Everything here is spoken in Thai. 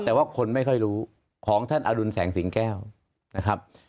แต่ว่าคนไม่ค่อยรู้ของท่านอรุณแสงสิงแก้วนะครับ